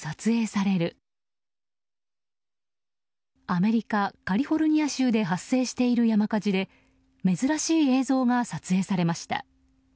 アメリカ・カリフォルニア州で発生している山火事で珍しい映像が撮影されました。